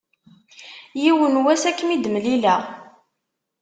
Yiwen was ad akem-id-mlileɣ.